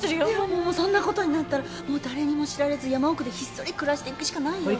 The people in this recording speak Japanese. もうそんなことになったらもう誰にも知られず山奥でひっそり暮らしていくしかないよ。